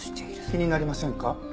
気になりませんか？